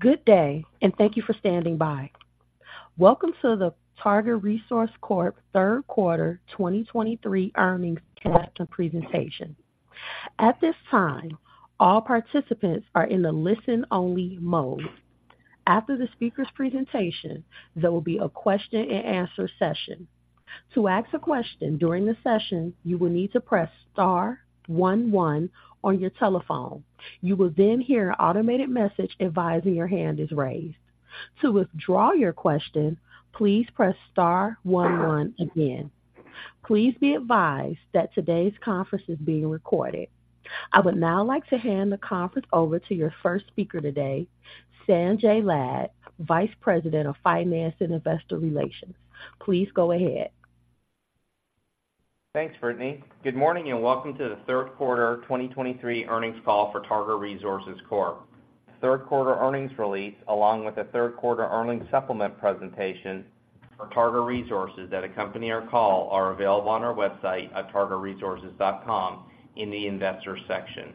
Good day, and thank you for standing by. Welcome to the Targa Resources Corp. Q3 2023 earnings conference and presentation. At this time, all participants are in the listen-only mode. After the speaker's presentation, there will be a question and answer session. To ask a question during the session, you will need to press star one one on your telephone. You will then hear an automated message advising your hand is raised. To withdraw your question, please press star one one again. Please be advised that today's conference is being recorded. I would now like to hand the conference over to your first speaker today, Sanjay Lad, Vice President of Finance and Investor Relations. Please go ahead. Thanks, Brittany. Good morning, and welcome to the Q3 2023 earnings call for Targa Resources Corp. Q3 earnings release, along with the Q3 earnings supplement presentation for Targa Resources that accompany our call, are available on our website at targaresources.com in the Investors section.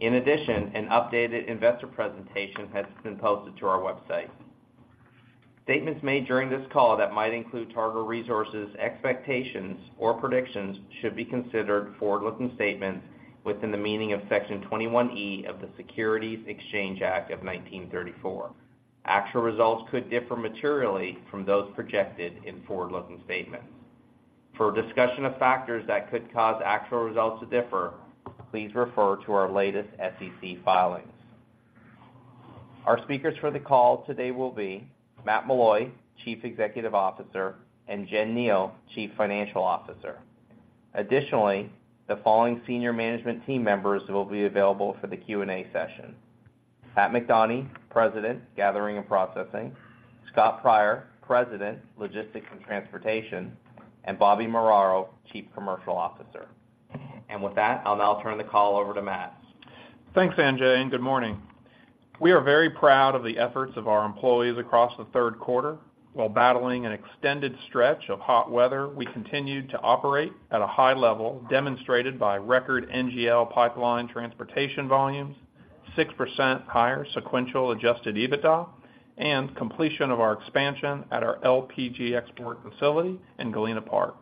In addition, an updated investor presentation has been posted to our website. Statements made during this call that might include Targa Resources expectations or predictions should be considered forward-looking statements within the meaning of Section 21E of the Securities Exchange Act of 1934. Actual results could differ materially from those projected in forward-looking statements. For a discussion of factors that could cause actual results to differ, please refer to our latest SEC filings. Our speakers for the call today will be Matt Meloy, Chief Executive Officer, and Jen Kneale, Chief Financial Officer. Additionally, the following senior management team members will be available for the Q&A session: Pat McDonie, President, Gathering and Processing, Scott Pryor, President, Logistics and Transportation, and Bobby Muraro, Chief Commercial Officer. With that, I'll now turn the call over to Matt. Thanks, Sanjay, and good morning. We are very proud of the efforts of our employees across the Q3. While battling an extended stretch of hot weather, we continued to operate at a high level, demonstrated by record NGL pipeline transportation volumes, 6% higher sequential adjusted EBITDA, and completion of our expansion at our LPG export facility in Galena Park,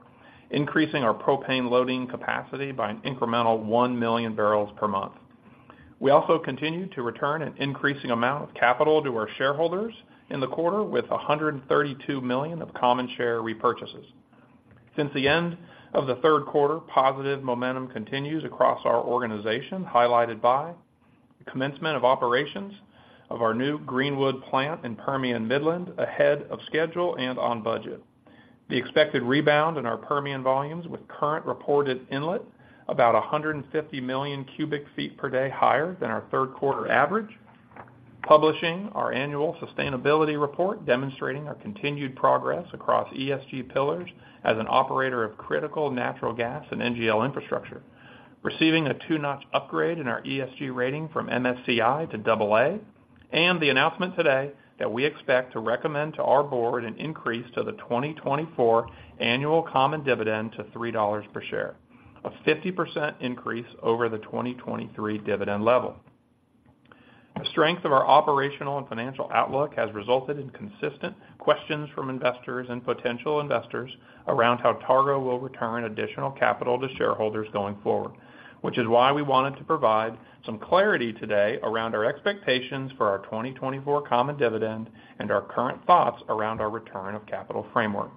increasing our propane loading capacity by an incremental 1 million barrels per month. We also continued to return an increasing amount of capital to our shareholders in the quarter with $132 million of common share repurchases. Since the end of the Q3, positive momentum continues across our organization, highlighted by: Commencement of operations of our new Greenwood Plant in Permian Midland ahead of schedule and on budget. The expected rebound in our Permian volumes, with current reported inlet about 150 million cubic feet per day higher than our Q3 average. Publishing our annual sustainability report, demonstrating our continued progress across ESG pillars as an operator of critical natural gas and NGL infrastructure. Receiving a 2-notch upgrade in our ESG rating from MSCI to AA. The announcement today that we expect to recommend to our board an increase to the 2024 annual common dividend to $3 per share, a 50% increase over the 2023 dividend level. The strength of our operational and financial outlook has resulted in consistent questions from investors and potential investors around how Targa will return additional capital to shareholders going forward, which is why we wanted to provide some clarity today around our expectations for our 2024 common dividend and our current thoughts around our return of capital framework.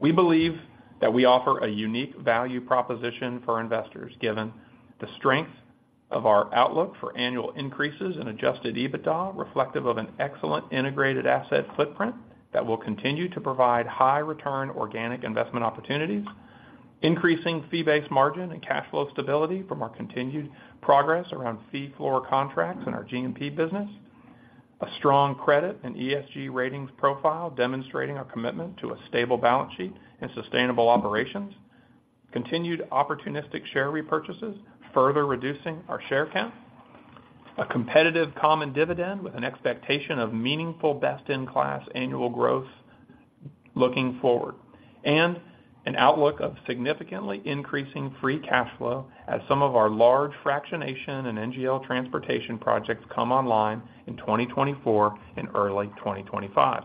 We believe that we offer a unique value proposition for investors, given the strength of our outlook for annual increases in adjusted EBITDA, reflective of an excellent integrated asset footprint that will continue to provide high return organic investment opportunities, increasing fee-based margin and cash flow stability from our continued progress around fee floor contracts in our G&P business, a strong credit and ESG ratings profile demonstrating our commitment to a stable balance sheet and sustainable operations, continued opportunistic share repurchases, further reducing our share count, a competitive common dividend with an expectation of meaningful best-in-class annual growth looking forward, and an outlook of significantly increasing free cash flow as some of our large fractionation and NGL transportation projects come online in 2024 and early 2025.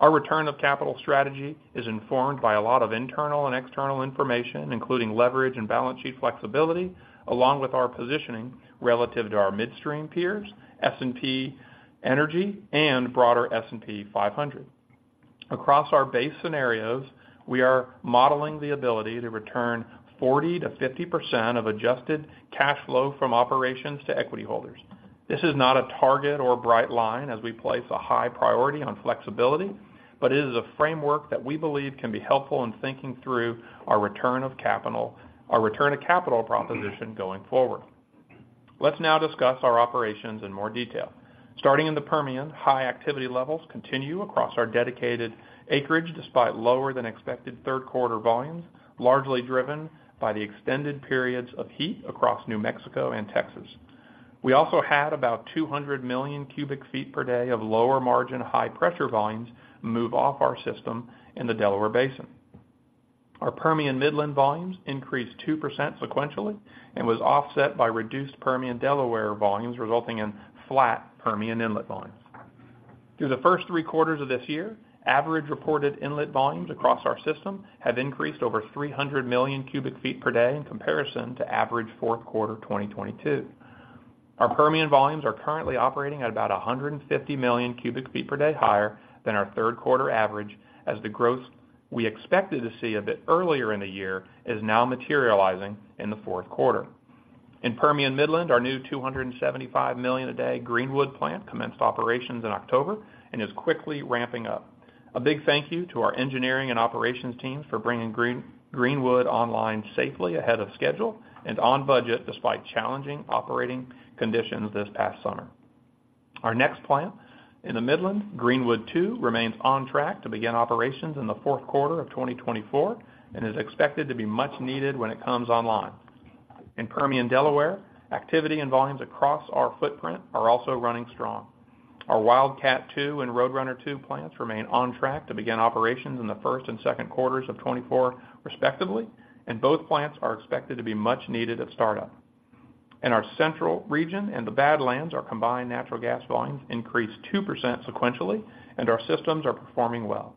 Our return of capital strategy is informed by a lot of internal and external information, including leverage and balance sheet flexibility, along with our positioning relative to our midstream peers, S&P Energy, and broader S&P 500. Across our base scenarios, we are modeling the ability to return 40%-50% of adjusted cash flow from operations to equity holders. This is not a target or bright line as we place a high priority on flexibility, but it is a framework that we believe can be helpful in thinking through our return of capital, our return of capital proposition going forward. Let's now discuss our operations in more detail. Starting in the Permian, high activity levels continue across our dedicated acreage, despite lower than expected Q3 volumes, largely driven by the extended periods of heat across New Mexico and Texas. We also had about 200 million cubic feet per day of lower margin, high-pressure volumes move off our system in the Delaware Basin. Our Permian Midland volumes increased 2% sequentially and were offset by reduced Permian Delaware volumes, resulting in flat Permian inlet volumes. Through the first three quarters of this year, average reported inlet volumes across our system have increased over 300 million cubic feet per day in comparison to average Q4, 2022. Our Permian volumes are currently operating at about 150 million cubic feet per day higher than our Q3 average, as the growth we expected to see a bit earlier in the year is now materializing in the Q4. In Permian Midland, our new 275 million a day Greenwood Plant commenced operations in October and is quickly ramping up. A big thank you to our engineering and operations teams for bringing Greenwood online safely ahead of schedule and on budget, despite challenging operating conditions this past summer. Our next plant in the Midland, Greenwood II, remains on track to begin operations in the Q4 of 2024 and is expected to be much needed when it comes online. In Permian Delaware, activity and volumes across our footprint are also running strong. Our Wildcat II and Roadrunner II plants remain on track to begin operations in the Q1 and Q2 of 2024, respectively, and both plants are expected to be much needed at startup. In our Central region and the Badlands, our combined natural gas volumes increased 2% sequentially, and our systems are performing well.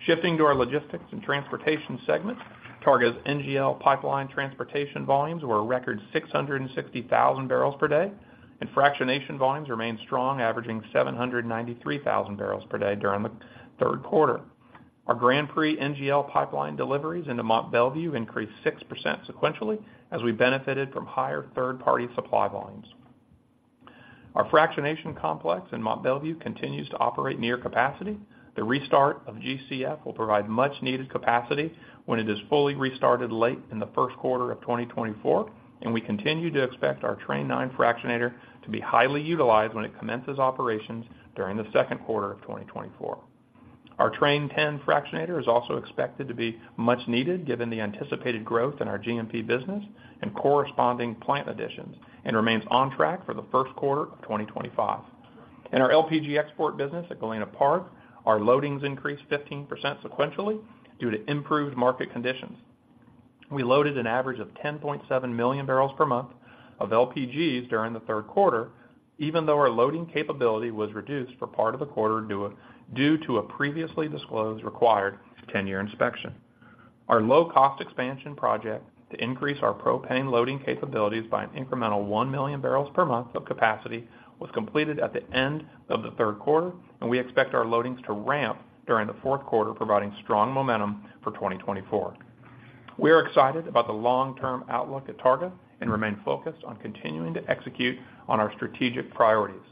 Shifting to our logistics and transportation segment, Targa's NGL pipeline transportation volumes were a record 660,000 barrels per day, and fractionation volumes remained strong, averaging 793,000 barrels per day during the Q3. Our Grand Prix NGL Pipeline deliveries into Mont Belvieu increased 6% sequentially as we benefited from higher third-party supply volumes. Our fractionation complex in Mont Belvieu continues to operate near capacity. The restart of GCF will provide much-needed capacity when it is fully restarted late in the Q1 of 2024, and we continue to expect our Train 9 fractionator to be highly utilized when it commences operations during the Q2 of 2024. Our Train 10 fractionator is also expected to be much needed, given the anticipated growth in our G&P business and corresponding plant additions, and remains on track for the Q1 of 2025. In our LPG export business at Galena Park, our loadings increased 15% sequentially due to improved market conditions. We loaded an average of 10.7 million barrels per month of LPGs during the Q3, even though our loading capability was reduced for part of the quarter due to a previously disclosed required 10-year inspection. Our low-cost expansion project to increase our propane loading capabilities by an incremental 1 million barrels per month of capacity, was completed at the end of the Q3, and we expect our loadings to ramp during the Q4, providing strong momentum for 2024. We are excited about the long-term outlook at Targa and remain focused on continuing to execute on our strategic priorities.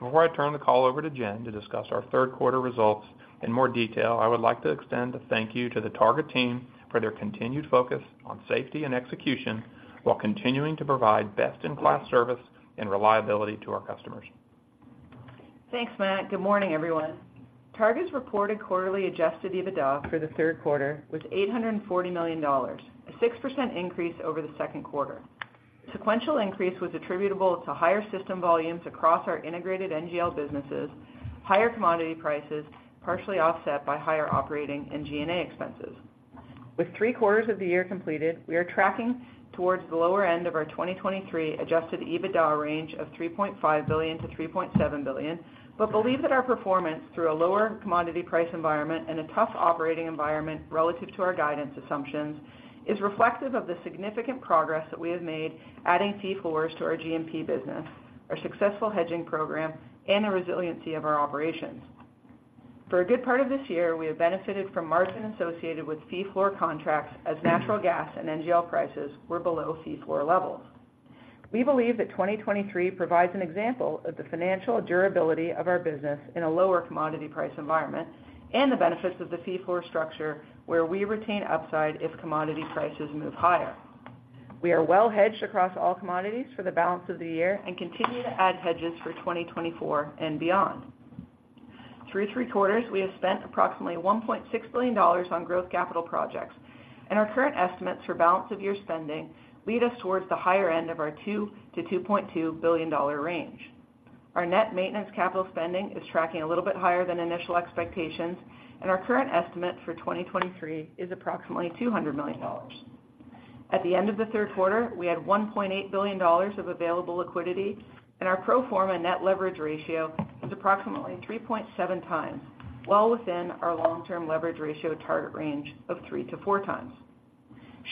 Before I turn the call over to Jen to discuss our Q3 results in more detail, I would like to extend a thank you to the Targa team for their continued focus on safety and execution, while continuing to provide best-in-class service and reliability to our customers. Thanks, Matt. Good morning, everyone. Targa's reported quarterly Adjusted EBITDA for the Q3 was $840 million, a 6% increase over the Q2. Sequential increase was attributable to higher system volumes across our integrated NGL businesses, higher commodity prices, partially offset by higher operating and G&A expenses. With three quarters of the year completed, we are tracking towards the lower end of our 2023 Adjusted EBITDA range of $3.5 billion-$3.7 billion, but believe that our performance, through a lower commodity price environment and a tough operating environment relative to our guidance assumptions, is reflective of the significant progress that we have made adding fee floors to our G&P business, our successful hedging program, and the resiliency of our operations. For a good part of this year, we have benefited from margin associated with fee floor contracts as natural gas and NGL prices were below fee floor levels. We believe that 2023 provides an example of the financial durability of our business in a lower commodity price environment and the benefits of the fee floor structure, where we retain upside if commodity prices move higher. We are well hedged across all commodities for the balance of the year and continue to add hedges for 2024 and beyond. Through three quarters, we have spent approximately $1.6 billion on growth capital projects, and our current estimates for balance of year spending lead us towards the higher end of our $2 billion-$2.2 billion range. Our net maintenance capital spending is tracking a little bit higher than initial expectations, and our current estimate for 2023 is approximately $200 million. At the end of the Q3, we had $1.8 billion of available liquidity, and our pro forma net leverage ratio is approximately 3.7x, well within our long-term leverage ratio target range of 3x-4x.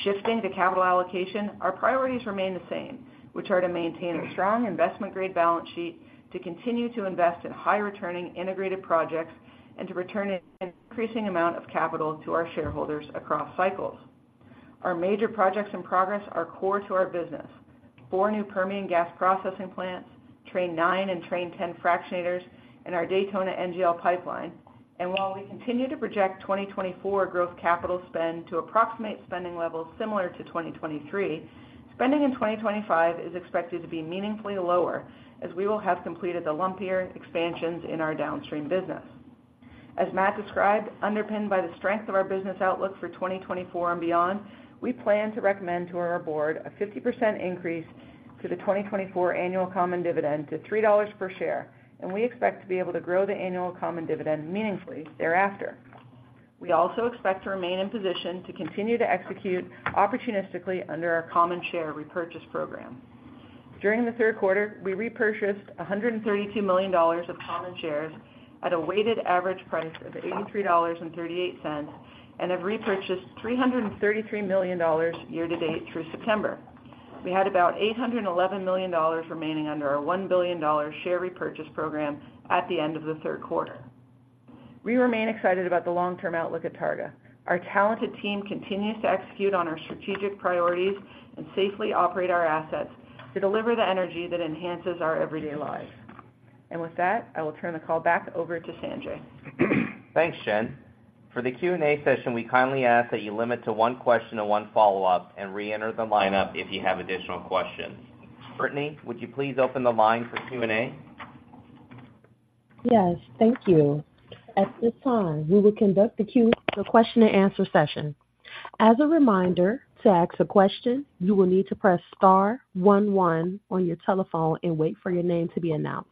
Shifting to capital allocation, our priorities remain the same, which are to maintain a strong investment-grade balance sheet, to continue to invest in high-returning integrated projects, and to return an increasing amount of capital to our shareholders across cycles. Our major projects in progress are core to our business. Four new Permian gas processing plants, Train 9 and Train 10 fractionators, and our Daytona NGL Pipeline. While we continue to project 2024 growth capital spend to approximate spending levels similar to 2023, spending in 2025 is expected to be meaningfully lower as we will have completed the lumpier expansions in our downstream business. As Matt described, underpinned by the strength of our business outlook for 2024 and beyond, we plan to recommend to our board a 50% increase to the 2024 annual common dividend to $3 per share, and we expect to be able to grow the annual common dividend meaningfully thereafter. We also expect to remain in position to continue to execute opportunistically under our common share repurchase program. During the Q3, we repurchased $132 million of common shares at a weighted average price of $83.38, and have repurchased $333 million year-to-date through September. We had about $811 million remaining under our $1 billion share repurchase program at the end of the Q3. We remain excited about the long-term outlook at Targa. Our talented team continues to execute on our strategic priorities and safely operate our assets to deliver the energy that enhances our everyday lives. With that, I will turn the call back over to Sanjay. Thanks, Jen. For the Q&A session, we kindly ask that you limit to one question and one follow-up, and reenter the lineup if you have additional questions. Brittany, would you please open the line for Q&A? Yes, thank you. At this time, we will conduct the Q&A session. As a reminder, to ask a question, you will need to press star one one on your telephone and wait for your name to be announced.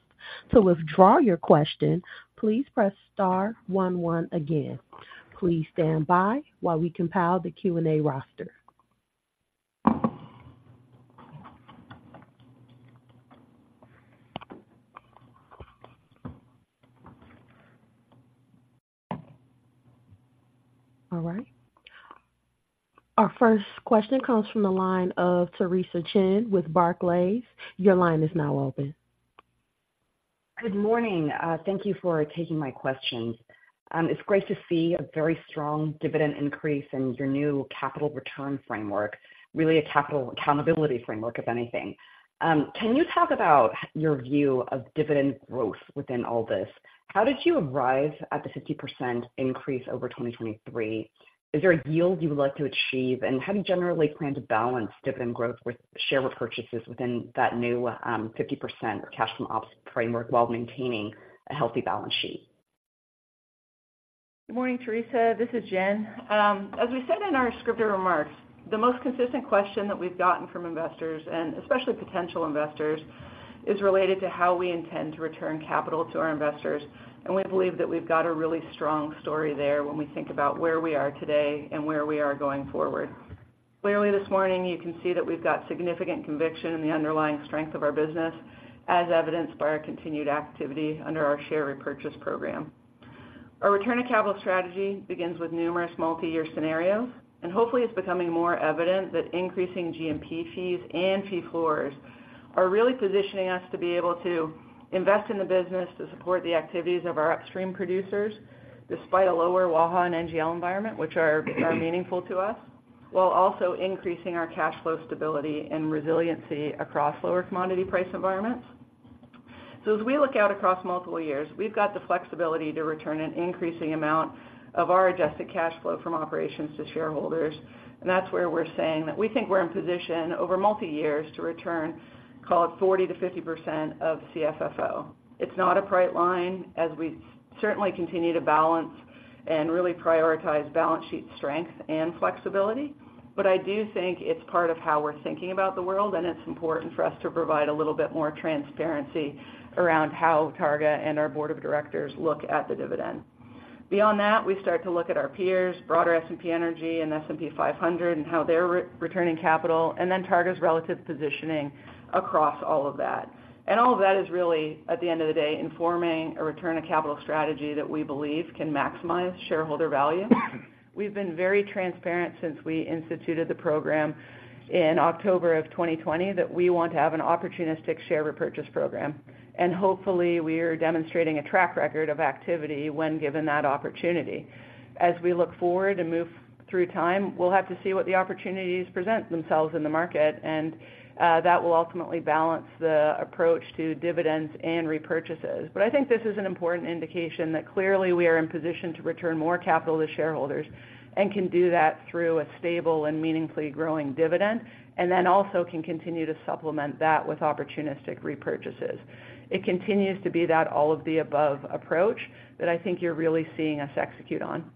To withdraw your question, please press star one one again. Please stand by while we compile the Q&A roster. All right. Our first question comes from the line of Theresa Chen with Barclays. Your line is now open. Good morning. Thank you for taking my questions. It's great to see a very strong dividend increase in your new capital return framework, really a capital accountability framework, if anything. Can you talk about your view of dividend growth within all this? How did you arrive at the 50% increase over 2023? Is there a yield you would like to achieve? And how do you generally plan to balance dividend growth with share repurchases within that new, fifty percent cash from ops framework, while maintaining a healthy balance sheet? Good morning, Theresa. This is Jen. As we said in our scripted remarks, the most consistent question that we've gotten from investors, and especially potential investors, is related to how we intend to return capital to our investors, and we believe that we've got a really strong story there when we think about where we are today and where we are going forward. Clearly, this morning, you can see that we've got significant conviction in the underlying strength of our business, as evidenced by our continued activity under our share repurchase program. Our return on capital strategy begins with numerous multiyear scenarios, and hopefully it's becoming more evident that increasing G&P fees and fee floors are really positioning us to be able to invest in the business to support the activities of our upstream producers, despite a lower Waha and NGL environment, which are meaningful to us, while also increasing our cash flow stability and resiliency across lower commodity price environments. So as we look out across multiple years, we've got the flexibility to return an increasing amount of our adjusted cash flow from operations to shareholders. And that's where we're saying that we think we're in position over multi years to return, call it 40%-50% of CFFO. It's not a bright line, as we certainly continue to balance and really prioritize balance sheet strength and flexibility, but I do think it's part of how we're thinking about the world, and it's important for us to provide a little bit more transparency around how Targa and our board of directors look at the dividend. Beyond that, we start to look at our peers, broader S&P energy and S&P 500, and how they're returning capital, and then Targa's relative positioning across all of that. All of that is really, at the end of the day, informing a return on capital strategy that we believe can maximize shareholder value. We've been very transparent since we instituted the program in October of 2020, that we want to have an opportunistic share repurchase program, and hopefully, we are demonstrating a track record of activity when given that opportunity. As we look forward and move through time, we'll have to see what the opportunities present themselves in the market, and that will ultimately balance the approach to dividends and repurchases. But I think this is an important indication that clearly we are in position to return more capital to shareholders and can do that through a stable and meaningfully growing dividend, and then also can continue to supplement that with opportunistic repurchases. It continues to be that all of the above approach that I think you're really seeing us execute on.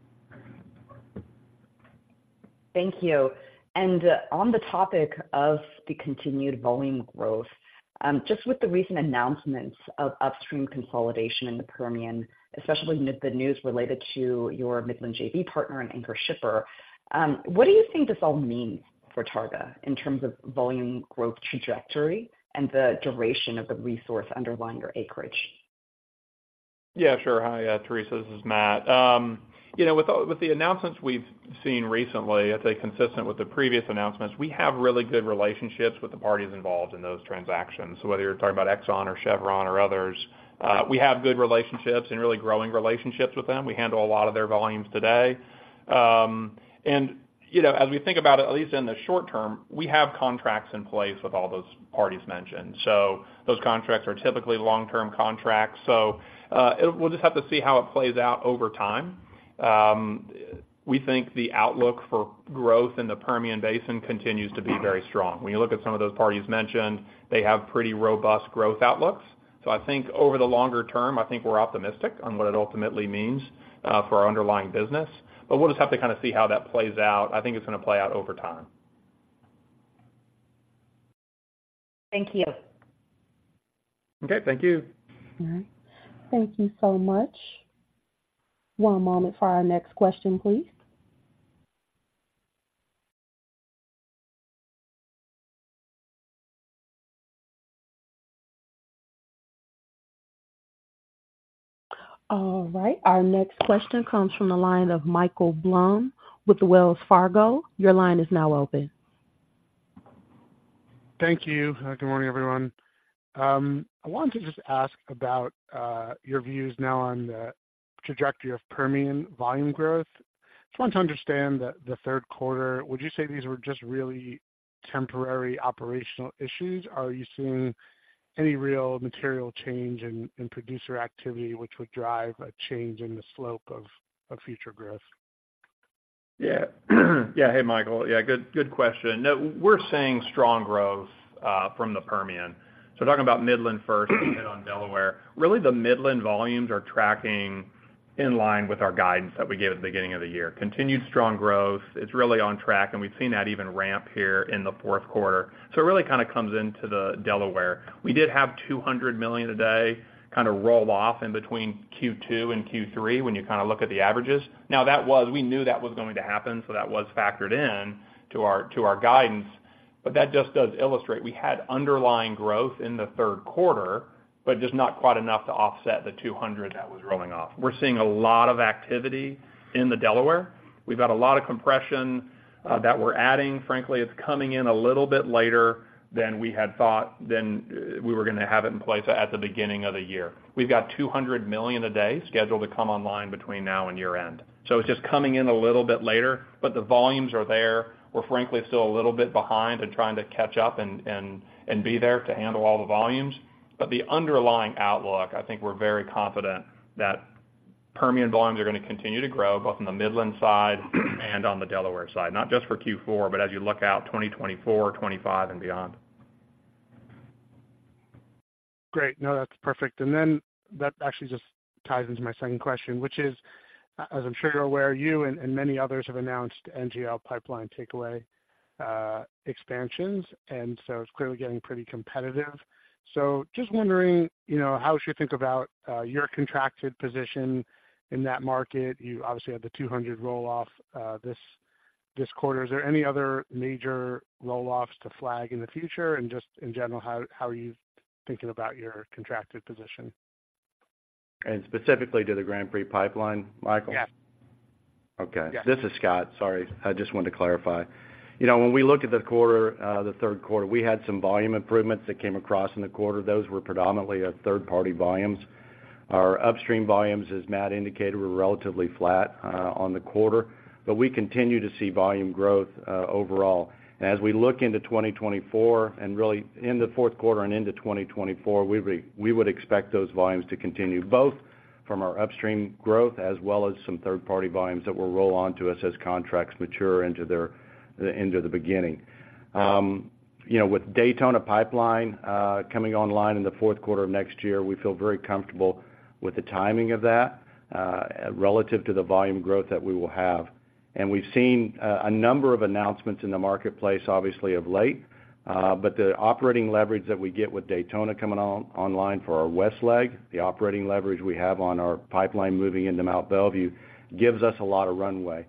Thank you. On the topic of the continued volume growth, just with the recent announcements of upstream consolidation in the Permian, especially the news related to your Midland JV partner and anchor shipper, what do you think this all means for Targa in terms of volume growth trajectory and the duration of the resource underlying your acreage? Yeah, sure. Hi, Theresa, this is Matt. You know, with the announcements we've seen recently, I'd say consistent with the previous announcements, we have really good relationships with the parties involved in those transactions. So whether you're talking about Exxon or Chevron or others, we have good relationships and really growing relationships with them. We handle a lot of their volumes today. And, you know, as we think about it, at least in the short term, we have contracts in place with all those parties mentioned. So those contracts are typically long-term contracts, so we'll just have to see how it plays out over time. We think the outlook for growth in the Permian Basin continues to be very strong. When you look at some of those parties mentioned, they have pretty robust growth outlooks. So I think over the longer term, I think we're optimistic on what it ultimately means for our underlying business, but we'll just have to kind of see how that plays out. I think it's gonna play out over time. Thank you. Okay, thank you. All right. Thank you so much. One moment for our next question, please. All right. Our next question comes from the line of Michael Blum with Wells Fargo. Your line is now open. Thank you. Good morning, everyone. I wanted to just ask about your views now on the trajectory of Permian volume growth. Just want to understand that the Q3, would you say these were just really temporary operational issues, or are you seeing any real material change in producer activity, which would drive a change in the slope of future growth? Yeah. Yeah. Hey, Michael. Yeah, good, good question. No, we're seeing strong growth from the Permian. So talking about Midland first and on Delaware. Really, the Midland volumes are tracking in line with our guidance that we gave at the beginning of the year. Continued strong growth. It's really on track, and we've seen that even ramp here in the Q4. So it really kind of comes into the Delaware. We did have 200 million a day kind of roll off in between Q2 and Q3 when you kind of look at the averages. Now, that was. We knew that was going to happen, so that was factored in to our, to our guidance. But that just does illustrate, we had underlying growth in the Q3, but just not quite enough to offset the 200 that was rolling off. We're seeing a lot of activity in the Delaware. We've got a lot of compression that we're adding. Frankly, it's coming in a little bit later than we had thought, than we were going to have it in place at the beginning of the year. We've got 200 million a day scheduled to come online between now and year-end. So it's just coming in a little bit later, but the volumes are there. We're frankly still a little bit behind and trying to catch up and be there to handle all the volumes. But the underlying outlook, I think we're very confident that Permian volumes are going to continue to grow, both on the Midland side and on the Delaware side, not just for Q4, but as you look out, 2024, 2025 and beyond. Great. No, that's perfect. And then that actually just ties into my second question, which is, as I'm sure you're aware, you and, and many others have announced NGL pipeline takeaway expansions, and so it's clearly getting pretty competitive. So just wondering, you know, how should you think about your contracted position in that market? You obviously had the 200 roll off this quarter. Is there any other major roll-offs to flag in the future? And just in general, how are you thinking about your contracted position? Specifically to the Grand Prix pipeline, Michael? Yeah. Okay. Yeah. This is Scott. Sorry, I just wanted to clarify. You know, when we look at the quarter, the Q3, we had some volume improvements that came across in the quarter. Those were predominantly our third-party volumes. Our upstream volumes, as Matt indicated, were relatively flat, on the quarter, but we continue to see volume growth, overall. As we look into 2024 and really in the Q4 and into 2024, we would expect those volumes to continue, both from our upstream growth as well as some third-party volumes that will roll on to us as contracts mature into their, into the beginning. You know, with Daytona Pipeline, coming online in the Q4 of next year, we feel very comfortable with the timing of that, relative to the volume growth that we will have. We've seen a number of announcements in the marketplace, obviously, of late, but the operating leverage that we get with Daytona coming online for our west leg, the operating leverage we have on our pipeline moving into Mont Belvieu, gives us a lot of runway.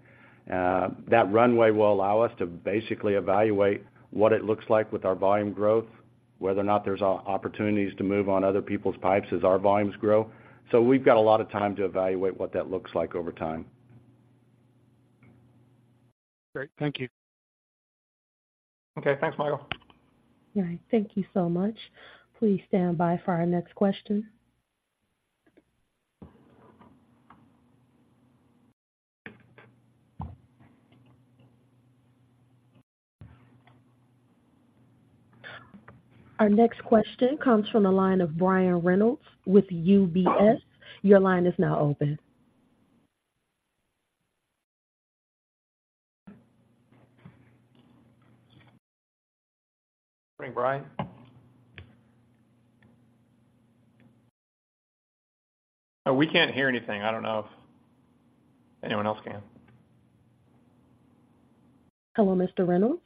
That runway will allow us to basically evaluate what it looks like with our volume growth, whether or not there's opportunities to move on other people's pipes as our volumes grow. We've got a lot of time to evaluate what that looks like over time. Great. Thank you. Okay, thanks, Michael. All right. Thank you so much. Please stand by for our next question. Our next question comes from the line of Brian Reynolds with UBS. Your line is now open. Good morning, Brian. We can't hear anything. I don't know if anyone else can. Hello, Mr. Reynolds?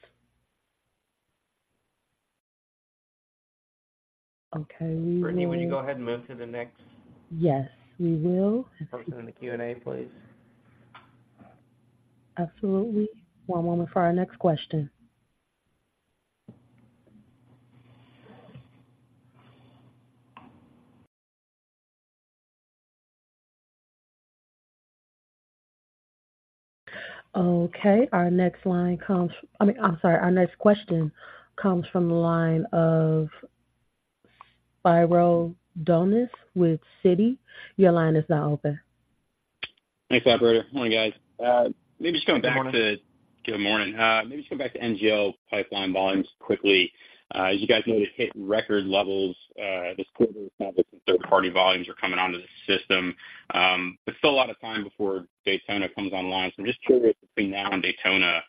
Okay, we will- Brittany, would you go ahead and move to the next? Yes, we will. Person in the Q&A, please. Absolutely. One moment for our next question. Okay, our next line comes from... I mean, I'm sorry. Our next question comes from the line of Spiro Dounis with Citi. Your line is now open. Thanks, operator. Morning, guys. Maybe just coming back to- Good morning. Good morning. Maybe just come back to NGL pipeline volumes quickly. As you guys know, they've hit record levels, this quarter. Third-party volumes are coming onto the system. There's still a lot of time before Daytona comes online, so I'm just curious, between now and Daytona,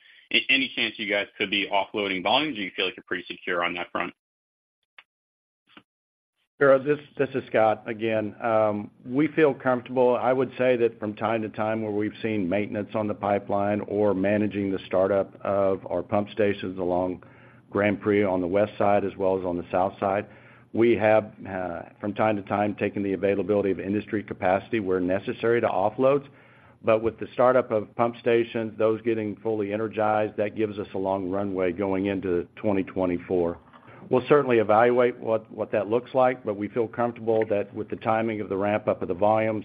any chance you guys could be offloading volumes, or you feel like you're pretty secure on that front? Sure. This, this is Scott again. We feel comfortable. I would say that from time to time, where we've seen maintenance on the pipeline or managing the startup of our pump stations along Grand Prix on the west side as well as on the south side, we have, from time to time, taken the availability of industry capacity where necessary to offload. But with the startup of pump stations, those getting fully energized, that gives us a long runway going into 2024. We'll certainly evaluate what, what that looks like, but we feel comfortable that with the timing of the ramp up of the volumes,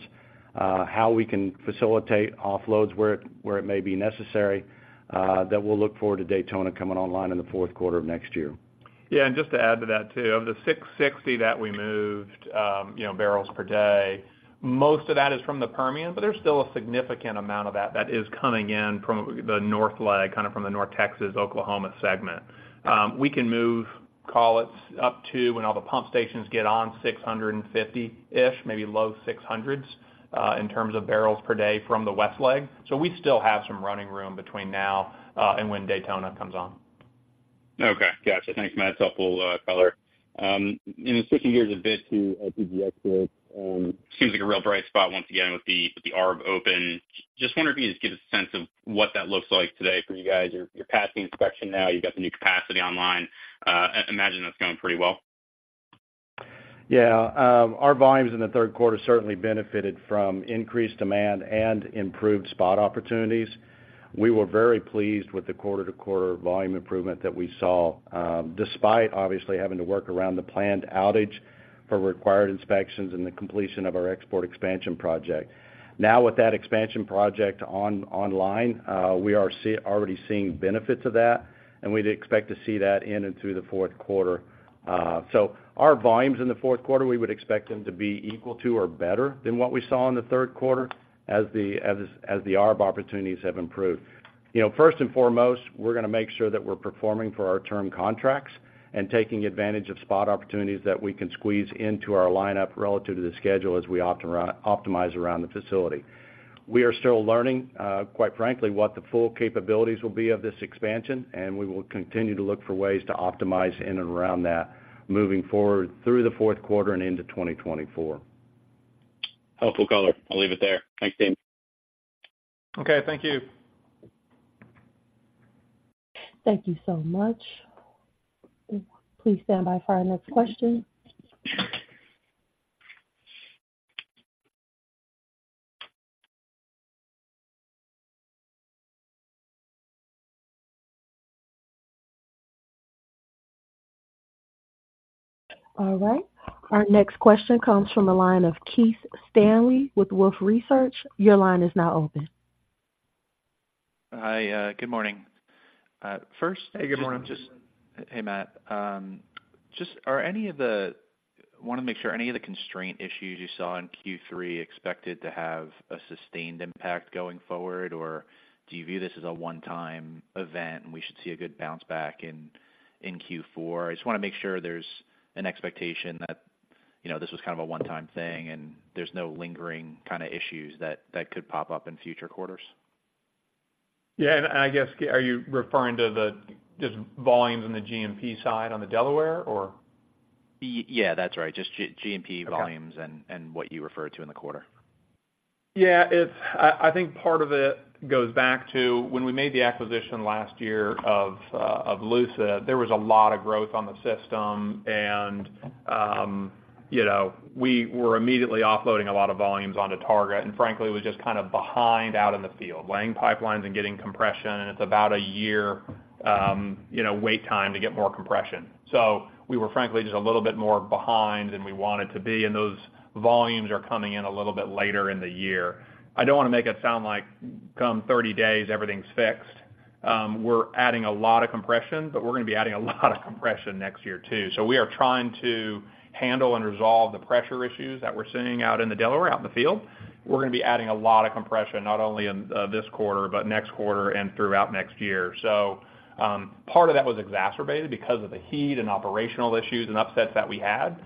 how we can facilitate offloads where it, where it may be necessary, that we'll look forward to Daytona coming online in the Q4 of next year. Yeah, and just to add to that, too, of the 660 that we moved, you know, barrels per day, most of that is from the Permian, but there's still a significant amount of that, that is coming in from the north leg, kind of from the North Texas, Oklahoma segment. We can move, call it, up to when all the pump stations get on 650-ish, maybe low 600s, in terms of barrels per day from the west leg. So we still have some running room between now, and when Daytona comes on. Okay. Got you. Thanks, Matt. That's helpful color. And then switching gears a bit to LPG exports, seems like a real bright spot once again with the, with the arb open. Just wondering if you could just give us a sense of what that looks like today for you guys. You're passing inspection now. You've got the new capacity online. I imagine that's going pretty well. Yeah, our volumes in the Q3 certainly benefited from increased demand and improved spot opportunities. We were very pleased with the quarter-to-quarter volume improvement that we saw, despite obviously having to work around the planned outage for required inspections and the completion of our export expansion project. Now, with that expansion project online, we are already seeing benefits of that, and we'd expect to see that in and through the Q4. So our volumes in the Q4, we would expect them to be equal to or better than what we saw in the Q3 as the arb opportunities have improved. You know, first and foremost, we're gonna make sure that we're performing for our term contracts and taking advantage of spot opportunities that we can squeeze into our lineup relative to the schedule as we optimize around the facility. We are still learning, quite frankly, what the full capabilities will be of this expansion, and we will continue to look for ways to optimize in and around that moving forward through the Q4 and into 2024. Helpful color. I'll leave it there. Thanks, team. Okay, thank you. Thank you so much. Please stand by for our next question. All right, our next question comes from the line of Keith Stanley with Wolfe Research. Your line is now open. Hi, good morning. First- Hey, good morning. Hey, Matt. Want to make sure any of the constraint issues you saw in Q3 expected to have a sustained impact going forward? Or do you view this as a one-time event, and we should see a good bounce back in Q4? I just want to make sure there's an expectation that, you know, this was kind of a one-time thing, and there's no lingering kind of issues that could pop up in future quarters. Yeah, and I guess, are you referring to the just volumes on the G&P side, on the Delaware, or? Yeah, that's right. Just G&P volumes- Okay what you referred to in the quarter. Yeah, I think part of it goes back to when we made the acquisition last year of of Lucid, there was a lot of growth on the system, and you know, we were immediately offloading a lot of volumes onto Targa, and frankly, it was just kind of behind out in the field, laying pipelines and getting compression, and it's about a year you know, wait time to get more compression. So we were, frankly, just a little bit more behind than we wanted to be, and those volumes are coming in a little bit later in the year. I don't want to make it sound like come 30 days, everything's fixed. We're adding a lot of compression, but we're going to be adding a lot of compression next year, too. So we are trying to handle and resolve the pressure issues that we're seeing out in the Delaware, out in the field. We're going to be adding a lot of compression, not only in this quarter, but next quarter and throughout next year. So, part of that was exacerbated because of the heat and operational issues and upsets that we had.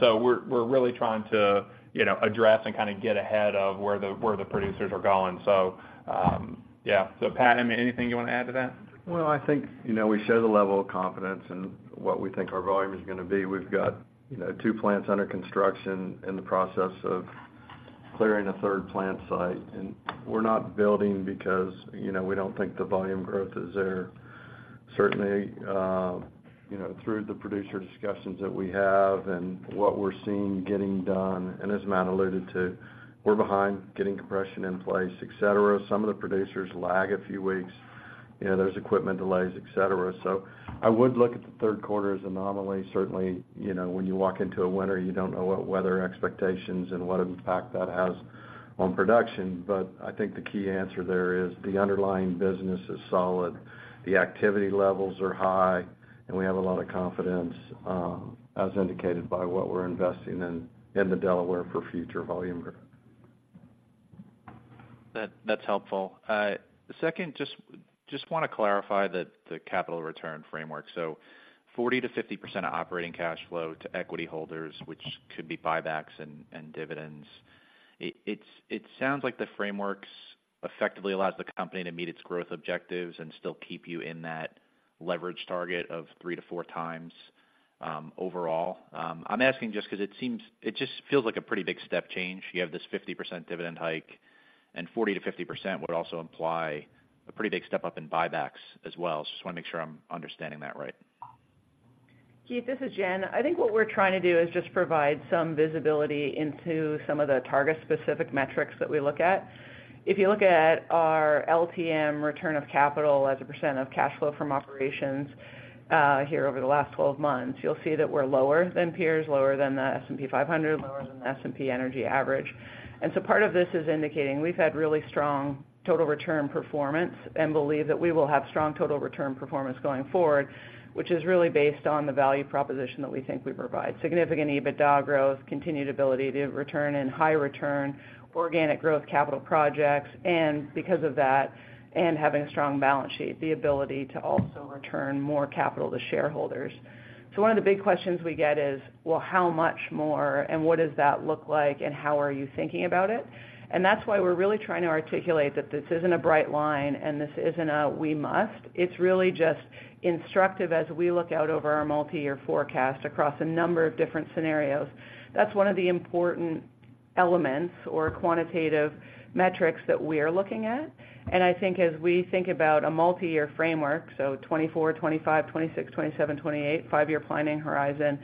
So we're really trying to, you know, address and kind of get ahead of where the producers are going. So, yeah. So, Scott, anything you want to add to that? Well, I think, you know, we show the level of confidence in what we think our volume is going to be. We've got, you know, two plants under construction in the process of clearing a third plant site, and we're not building because, you know, we don't think the volume growth is there. Certainly, you know, through the producer discussions that we have and what we're seeing getting done, and as Matt alluded to, we're behind getting compression in place, et cetera. Some of the producers lag a few weeks, you know, there's equipment delays, et cetera. So I would look at the Q3 as an anomaly. Certainly, you know, when you walk into a winter, you don't know what weather expectations and what impact that has on production. I think the key answer there is the underlying business is solid, the activity levels are high, and we have a lot of confidence, as indicated by what we're investing in, in the Delaware for future volume growth. That, that's helpful. The second, just, just want to clarify that the capital return framework. So 40%-50% of operating cash flow to equity holders, which could be buybacks and, and dividends. It, it's it sounds like the frameworks effectively allows the company to meet its growth objectives and still keep you in that leverage target of 3x-4x, overall. I'm asking just because it seems it just feels like a pretty big step change. You have this 50% dividend hike, and 40%-50% would also imply a pretty big step-up in buybacks as well. So just want to make sure I'm understanding that right.... Keith, this is Jen. I think what we're trying to do is just provide some visibility into some of the Targa-specific metrics that we look at. If you look at our LTM return of capital as a percent of cash flow from operations, here over the last 12 months, you'll see that we're lower than peers, lower than the S&P 500, lower than the S&P energy average. And so part of this is indicating we've had really strong total return performance and believe that we will have strong total return performance going forward, which is really based on the value proposition that we think we provide. Significant EBITDA growth, continued ability to return in high return, organic growth, capital projects, and because of that, and having a strong balance sheet, the ability to also return more capital to shareholders. So one of the big questions we get is, well, how much more, and what does that look like, and how are you thinking about it? And that's why we're really trying to articulate that this isn't a bright line and this isn't a, we must. It's really just instructive as we look out over our multiyear forecast across a number of different scenarios. That's one of the important elements or quantitative metrics that we are looking at. And I think as we think about a multiyear framework, so 2024, 2025, 2026, 2027, 2028, five-year planning horizon,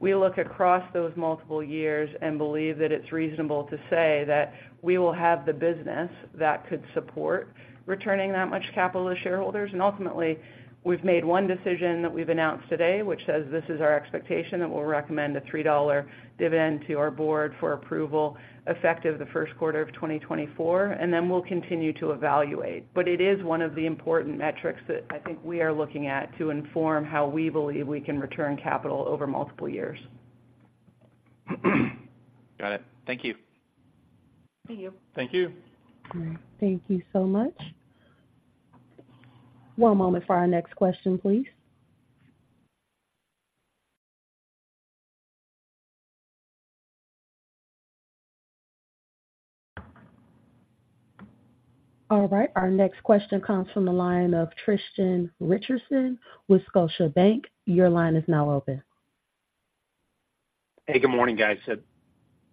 we look across those multiple years and believe that it's reasonable to say that we will have the business that could support returning that much capital to shareholders. Ultimately, we've made one decision that we've announced today, which says this is our expectation, that we'll recommend a $3 dividend to our board for approval, effective the Q1 of 2024, and then we'll continue to evaluate. It is one of the important metrics that I think we are looking at to inform how we believe we can return capital over multiple years. Got it. Thank you. Thank you. Thank you. Thank you so much. One moment for our next question, please. All right, our next question comes from the line of Tristan Richardson with Scotiabank. Your line is now open. Hey, good morning, guys. So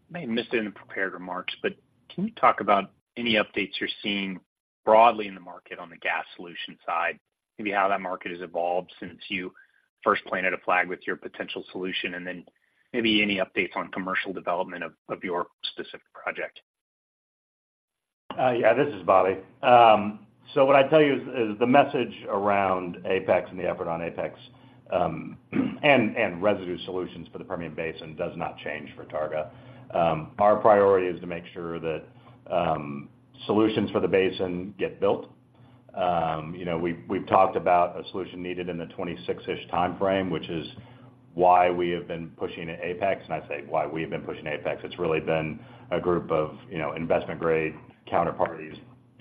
may have missed it in the prepared remarks, but can you talk about any updates you're seeing broadly in the market on the gas solution side? Maybe how that market has evolved since you first planted a flag with your potential solution, and then maybe any updates on commercial development of your specific project. Yeah, this is Bobby. So what I'd tell you is, the message around Apex and the effort on Apex, and residue solutions for the Permian Basin does not change for Targa. Our priority is to make sure that, solutions for the basin get built. You know, we've talked about a solution needed in the 26-ish timeframe, which is why we have been pushing Apex. And I say, why we have been pushing Apex. It's really been a group of, you know, investment-grade counterparties,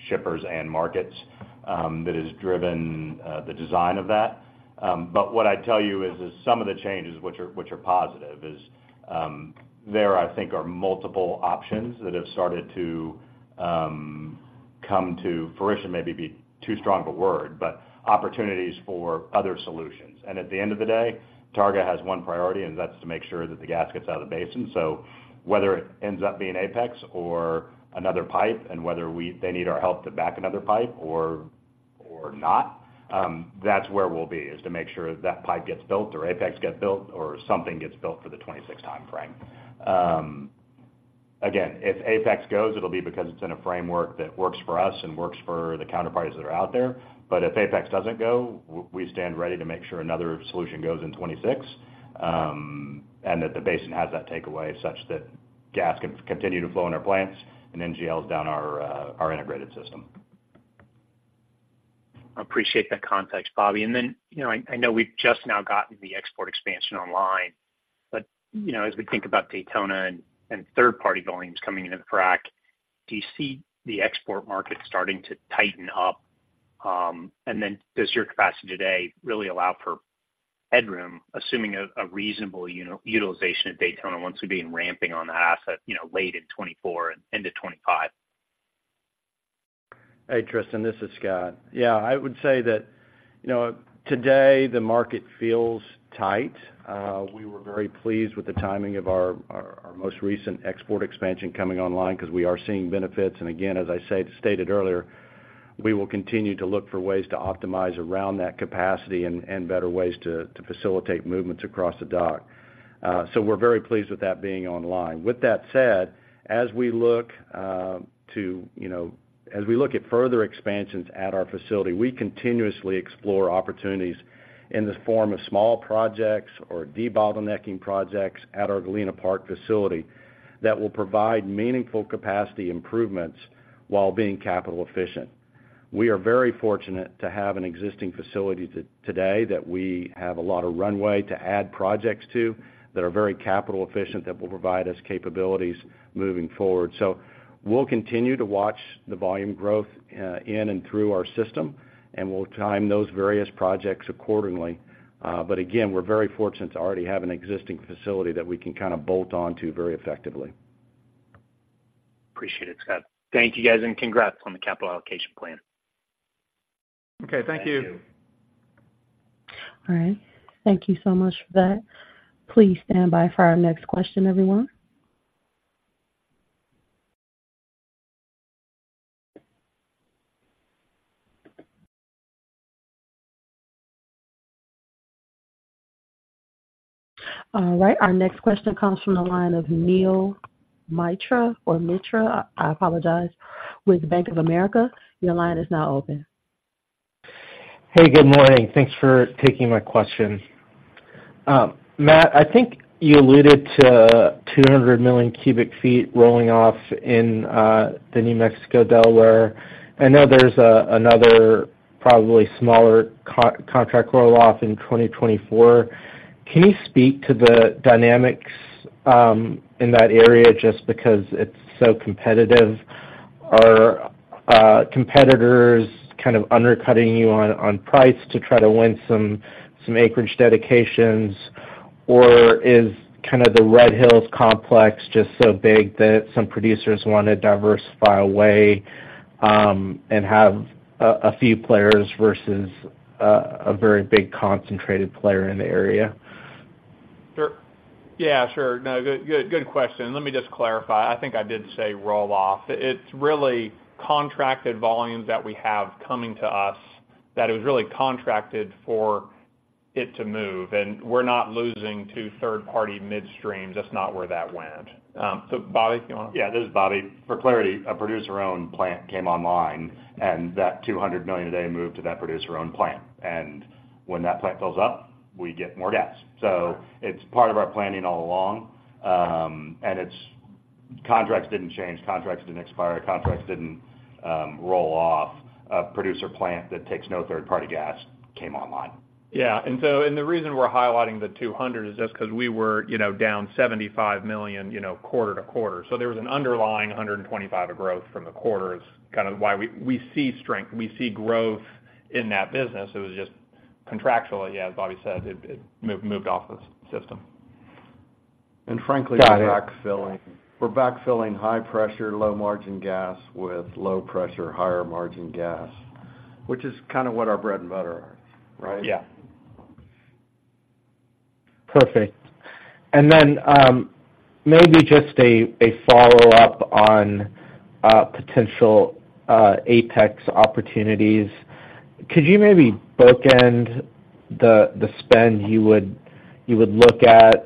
shippers, and markets, that has driven the design of that. But what I'd tell you is, some of the changes which are positive, is, there I think are multiple options that have started to come to fruition, maybe be too strong of a word, but opportunities for other solutions. At the end of the day, Targa has one priority, and that's to make sure that the gas gets out of the basin. Whether it ends up being Apex or another pipe and whether we or they need our help to back another pipe or not, that's where we'll be, is to make sure that pipe gets built or Apex gets built or something gets built for the 2026 timeframe. Again, if Apex goes, it'll be because it's in a framework that works for us and works for the counterparties that are out there. But if Apex doesn't go, we stand ready to make sure another solution goes in 2026, and that the basin has that takeaway such that gas can continue to flow in our plants and NGLs down our integrated system. Appreciate that context, Bobby. And then, you know, I know we've just now gotten the export expansion online, but, you know, as we think about Daytona and third-party volumes coming into the frac, do you see the export market starting to tighten up? And then does your capacity today really allow for headroom, assuming a reasonable utilization at Daytona once we begin ramping on that asset, you know, late in 2024 and into 2025? Hey, Tristan, this is Scott. Yeah, I would say that, you know, today the market feels tight. We were very pleased with the timing of our most recent export expansion coming online because we are seeing benefits. And again, as I stated earlier, we will continue to look for ways to optimize around that capacity and better ways to facilitate movements across the dock. So we're very pleased with that being online. With that said, as we look to, you know, as we look at further expansions at our facility, we continuously explore opportunities in the form of small projects or debottlenecking projects at our Galena Park facility that will provide meaningful capacity improvements while being capital efficient. We are very fortunate to have an existing facility today that we have a lot of runway to add projects to, that are very capital efficient, that will provide us capabilities moving forward. So we'll continue to watch the volume growth in and through our system, and we'll time those various projects accordingly. But again, we're very fortunate to already have an existing facility that we can kind of bolt on to very effectively. Appreciate it, Scott. Thank you, guys, and congrats on the capital allocation plan. Okay, thank you. All right. Thank you so much for that. Please stand by for our next question, everyone. All right. Our next question comes from the line of Neel Mitra or Mitra, I, I apologize, with Bank of America. Your line is now open. Hey, good morning. Thanks for taking my question. Matt, I think you alluded to 200 million cubic feet rolling off in the New Mexico, Delaware. I know there's another probably smaller contract roll-off in 2024. Can you speak to the dynamics in that area just because it's so competitive? Are competitors kind of undercutting you on price to try to win some acreage dedications, or is kind of the Red Hills complex just so big that some producers want to diversify away and have a few players versus a very big concentrated player in the area? Sure. Yeah, sure. No, good, good, good question. Let me just clarify. I think I did say roll-off. It's really contracted volumes that we have coming to us that it was really contracted for it to move, and we're not losing to third-party midstreams. That's not where that went. So, Bobby, you want to... Yeah, this is Bobby. For clarity, a producer-owned plant came online, and that 200 million a day moved to that producer-owned plant. And when that plant fills up, we get more gas. So it's part of our planning all along, and its contracts didn't change, contracts didn't expire, contracts didn't roll off. A producer plant that takes no third-party gas came online. Yeah. The reason we're highlighting the 200 is just 'cause we were, you know, down $75 million, you know, quarter-to-quarter. So there was an underlying 125 of growth from the quarter. It's kind of why we see strength, we see growth in that business. It was just contractually, as Bobby said, it moved off the system. Frankly, we're backfilling. We're backfilling high-pressure, low-margin gas with low-pressure, higher-margin gas, which is kind of what our bread and butter are, right? Yeah. Perfect. And then, maybe just a follow-up on potential Apex opportunities. Could you maybe bookend the spend you would look at,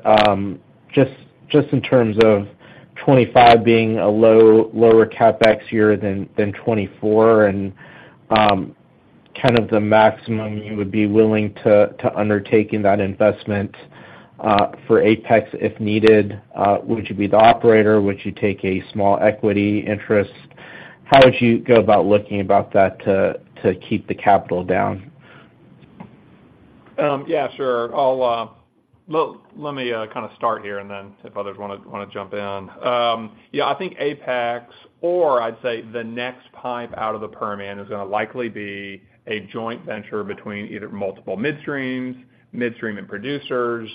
just in terms of 2025 being a lower CapEx year than 2024 and kind of the maximum you would be willing to undertake in that investment for Apex, if needed? Would you be the operator? Would you take a small equity interest? How would you go about looking about that to keep the capital down? Yeah, sure. I'll... Well, let me kind of start here, and then if others want to jump in. Yeah, I think Apex or I'd say the next pipe out of the Permian is going to likely be a joint venture between either multiple midstreams, midstream, and producers.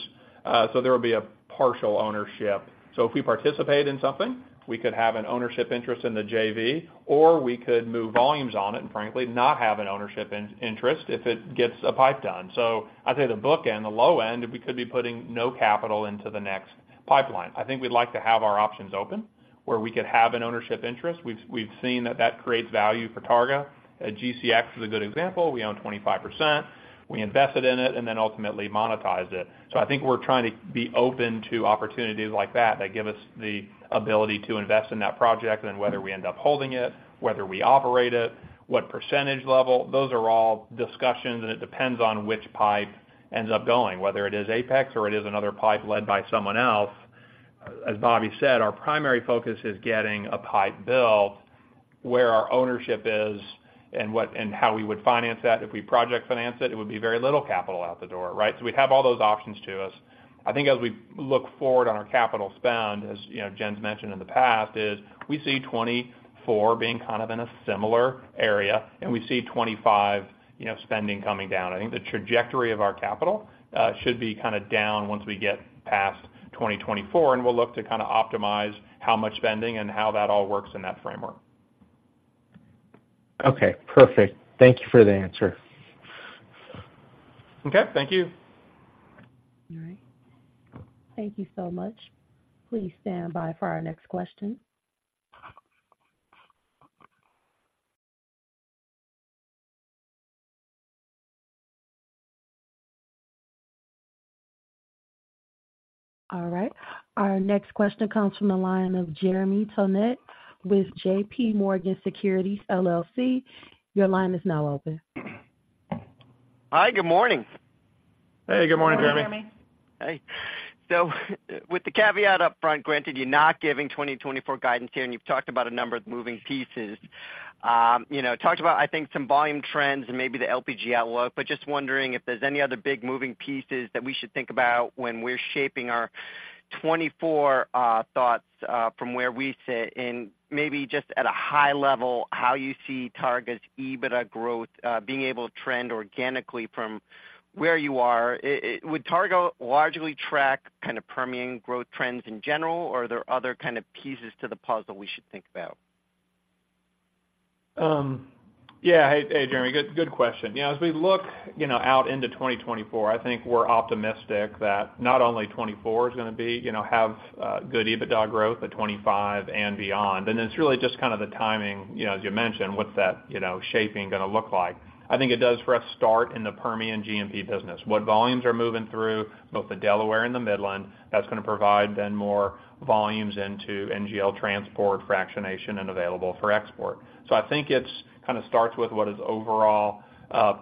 So there will be a partial ownership. So if we participate in something, we could have an ownership interest in the JV, or we could move volumes on it and frankly, not have an ownership interest if it gets a pipe done. So I'd say the bookend, the low end, we could be putting no capital into the next pipeline. I think we'd like to have our options open, where we could have an ownership interest. We've seen that that creates value for Targa. GCX is a good example. We own 25%. We invested in it and then ultimately monetized it. So I think we're trying to be open to opportunities like that, that give us the ability to invest in that project and whether we end up holding it, whether we operate it, what percentage level, those are all discussions, and it depends on which pipe ends up going, whether it is Apex or it is another pipe led by someone else. As Bobby said, our primary focus is getting a pipe built where our ownership is and what and how we would finance that. If we project finance it, it would be very little capital out the door, right? So we have all those options to us. I think as we look forward on our capital spend, as, you know, Jen's mentioned in the past, is we see 2024 being kind of in a similar area, and we see 2025, you know, spending coming down. I think the trajectory of our capital should be kind of down once we get past 2024, and we'll look to kind of optimize how much spending and how that all works in that framework. Okay, perfect. Thank you for the answer. Okay, thank you. All right. Thank you so much. Please stand by for our next question. All right. Our next question comes from the line of Jeremy Tonet with J.P. Morgan Securities, LLC. Your line is now open. Hi, good morning. Hey, good morning, Jeremy. Good morning, Jeremy. Hey. So with the caveat up front, granted, you're not giving 2024 guidance here, and you've talked about a number of moving pieces. You know, talked about, I think, some volume trends and maybe the LPG outlook, but just wondering if there's any other big moving pieces that we should think about when we're shaping our 2024 thoughts, from where we sit, and maybe just at a high level, how you see Targa's EBITDA growth being able to trend organically from where you are. Would Targa largely track kind of Permian growth trends in general, or are there other kind of pieces to the puzzle we should think about? Yeah. Hey, Jeremy, good, good question. You know, as we look, you know, out into 2024, I think we're optimistic that not only 2024 is going to be, you know, have good EBITDA growth, but 2025 and beyond. And it's really just kind of the timing, you know, as you mentioned, what's that, you know, shaping going to look like? I think it does for us start in the Permian G&P business. What volumes are moving through both the Delaware and the Midland, that's going to provide then more volumes into NGL transport fractionation and available for export. So I think it kind of starts with what is overall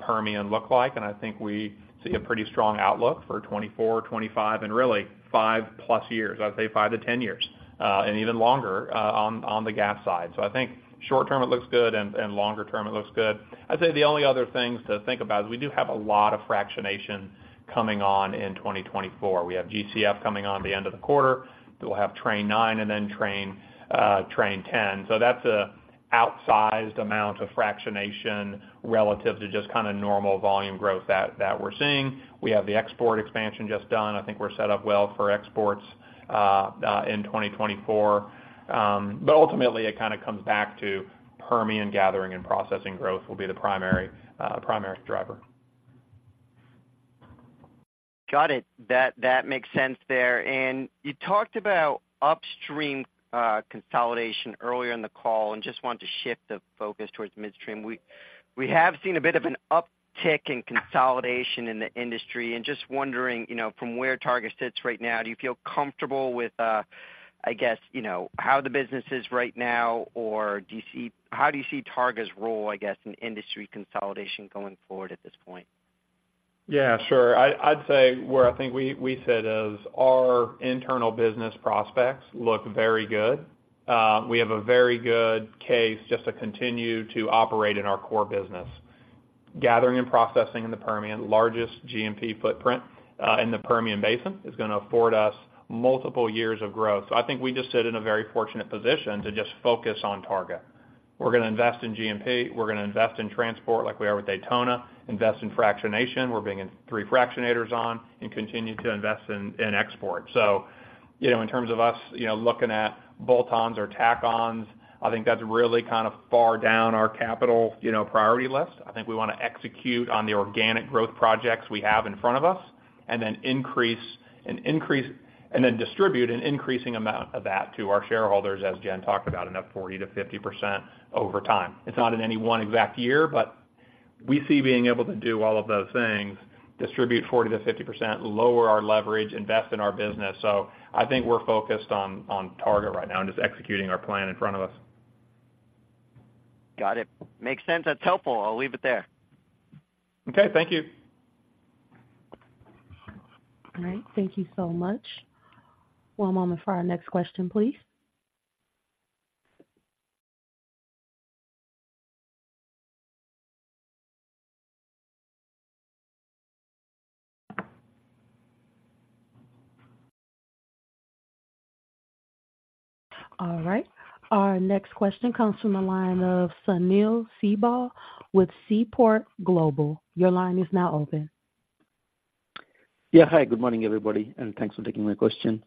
Permian look like, and I think we see a pretty strong outlook for 2024, 2025, and really five plus years. I'd say five to 10 years, and even longer, on, on the gas side. So I think short term, it looks good, and longer term, it looks good. I'd say the only other things to think about is we do have a lot of fractionation coming on in 2024. We have GCF coming on the end of the quarter. We'll have Train 9 and then Train 10. So that's a outsized amount of fractionation relative to just kind of normal volume growth that we're seeing. We have the export expansion just done. I think we're set up well for exports in 2024. But ultimately, it kind of comes back to Permian gathering and processing growth will be the primary driver. Got it. That makes sense there. And you talked about upstream consolidation earlier in the call and just want to shift the focus towards midstream. We have seen a bit of an uptick in consolidation in the industry and just wondering, you know, from where Targa sits right now, do you feel comfortable with, I guess, you know, how the business is right now, or do you see how do you see Targa's role, I guess, in industry consolidation going forward at this point? Yeah, sure. I'd say where I think we sit as our internal business prospects look very good. We have a very good case just to continue to operate in our core business. Gathering and processing in the Permian, largest G&P footprint in the Permian Basin, is going to afford us multiple years of growth. So I think we just sit in a very fortunate position to just focus on Targa. We're going to invest in G&P, we're going to invest in transport like we are with Daytona, invest in fractionation. We're bringing three fractionators on and continue to invest in export. So, you know, in terms of us, you know, looking at bolt-ons or tack-ons, I think that's really kind of far down our capital, you know, priority list. I think we want to execute on the organic growth projects we have in front of us, and then increase and then distribute an increasing amount of that to our shareholders, as Jen talked about, another 40%-50% over time. It's not in any one exact year, but we see being able to do all of those things, distribute 40%-50%, lower our leverage, invest in our business. So I think we're focused on Targa right now and just executing our plan in front of us. Got it. Makes sense. That's helpful. I'll leave it there. Okay, thank you. All right. Thank you so much. One moment for our next question, please. All right. Our next question comes from the line of Sunil Sibal with Seaport Global. Your line is now open. Yeah. Hi, good morning, everybody, and thanks for taking my question.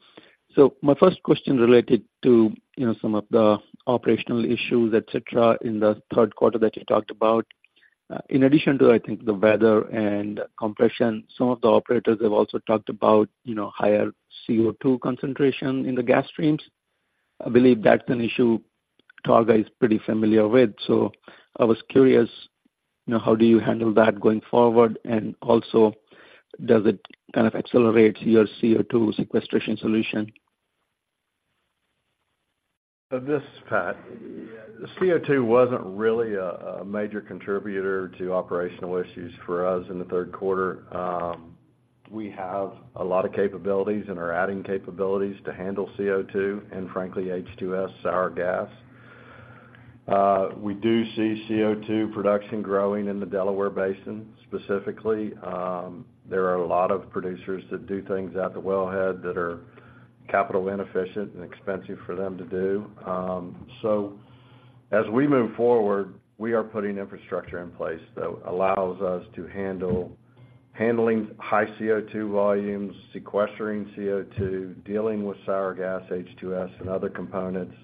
So my first question related to, you know, some of the operational issues, et cetera, in the Q3 that you talked about. In addition to, I think, the weather and compression, some of the operators have also talked about, you know, higher CO2 concentration in the gas streams. I believe that's an issue Targa is pretty familiar with. So I was curious, you know, how do you handle that going forward? And also, does it kind of accelerate your CO2 sequestration solution? So this is Pat. CO2 wasn't really a major contributor to operational issues for us in the Q3. We have a lot of capabilities and are adding capabilities to handle CO2 and frankly, H2S sour gas. We do see CO2 production growing in the Delaware Basin. Specifically, there are a lot of producers that do things at the wellhead that are capital inefficient and expensive for them to do. So as we move forward, we are putting infrastructure in place that allows us to handle, handling high CO2 volumes, sequestering CO2, dealing with sour gas, H2S, and other components.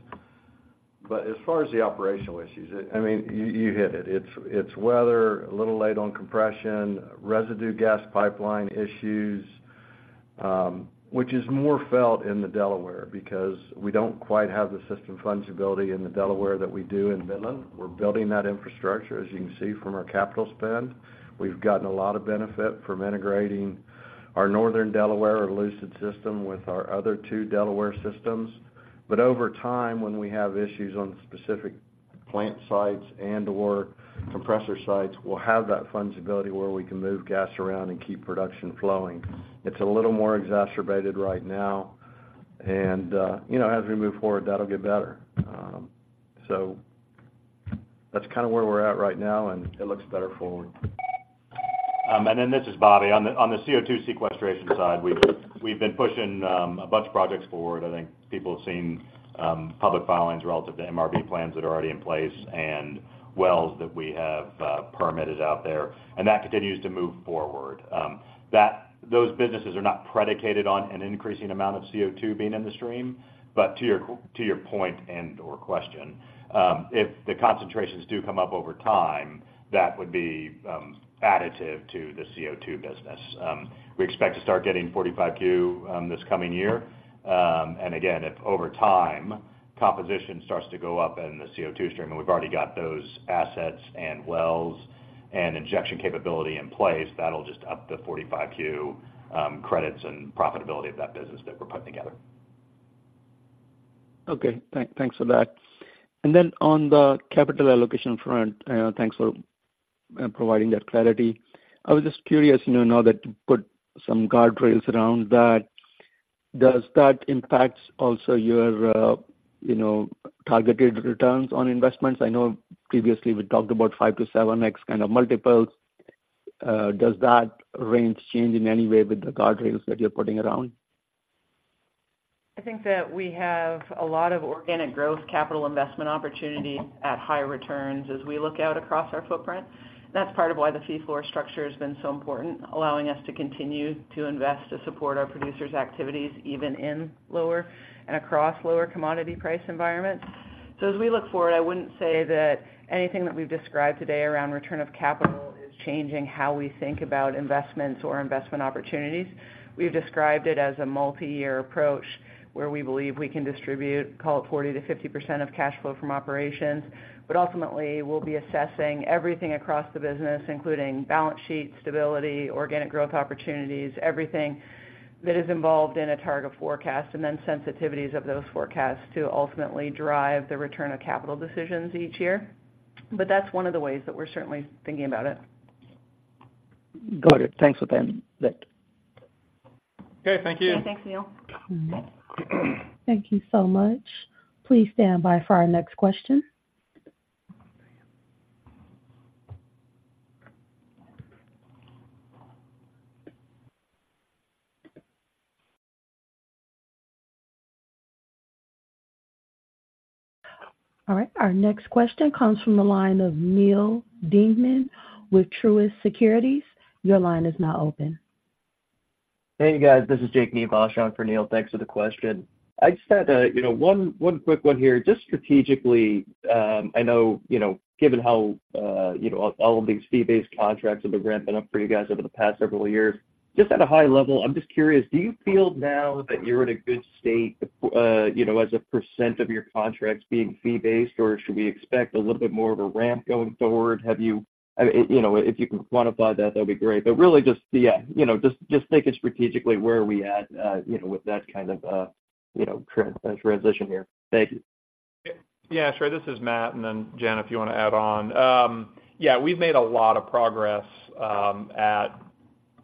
But as far as the operational issues, I mean, you hit it. It's weather, a little late on compression, residue gas pipeline issues, which is more felt in the Delaware because we don't quite have the system fungibility in the Delaware that we do in Midland. We're building that infrastructure, as you can see from our capital spend. We've gotten a lot of benefit from integrating our northern Delaware or Lucid system with our other two Delaware systems. But over time, when we have issues on specific plant sites and/or compressor sites, we'll have that fungibility where we can move gas around and keep production flowing. It's a little more exacerbated right now, and, you know, as we move forward, that'll get better. So that's kind of where we're at right now, and it looks better forward. And then this is Bobby. On the CO2 sequestration side, we've been pushing a bunch of projects forward. I think people have seen public filings relative to MRV plans that are already in place and wells that we have permitted out there, and that continues to move forward. Those businesses are not predicated on an increasing amount of CO2 being in the stream, but to your point and/or question, if the concentrations do come up over time, that would be additive to the CO2 business. We expect to start getting 45Q this coming year. And again, if over time, composition starts to go up in the CO2 stream, and we've already got those assets and wells and injection capability in place, that'll just up the 45Q credits and profitability of that business that we're putting together. Okay. Thank, thanks for that. And then on the capital allocation front, thanks for providing that clarity. I was just curious, you know, now that you put some guardrails around that, does that impact also your, you know, targeted returns on investments? I know previously we talked about 5-7x kind of multiples. Does that range change in any way with the guardrails that you're putting around? I think that we have a lot of organic growth capital investment opportunities at high returns as we look out across our footprint. That's part of why the fee floor structure has been so important, allowing us to continue to invest, to support our producers' activities, even in lower and across lower commodity price environments. So as we look forward, I wouldn't say that anything that we've described today around return of capital is changing how we think about investments or investment opportunities. We've described it as a multiyear approach where we believe we can distribute, call it, 40%-50% of cash flow from operations. But ultimately, we'll be assessing everything across the business, including balance sheet stability, organic growth opportunities, everything that is involved in a target forecast, and then sensitivities of those forecasts to ultimately drive the return of capital decisions each year. But that's one of the ways that we're certainly thinking about it. Got it. Thanks for that. Okay, thank you. Yeah. Thanks, Sunil. Thank you so much. Please stand by for our next question. All right, our next question comes from the line of Neil Dingmann with Truist Securities. Your line is now open. Hey, guys, this is Jake Nivasch on for Neil. Thanks for the question. I just had, you know, one, one quick one here. Just strategically, I know, you know, given how, you know, all of these fee-based contracts have been ramping up for you guys over the past several years. Just at a high level, I'm just curious, do you feel now that you're in a good state, you know, as a percent of your contracts being fee-based, or should we expect a little bit more of a ramp going forward? Have you? I mean, you know, if you can quantify that, that'd be great. But really just, yeah, you know, just, just thinking strategically, where are we at, you know, with that kind of, you know, transition here? Thank you. Yeah, sure. This is Matt. And then, Jen, if you want to add on. Yeah, we've made a lot of progress at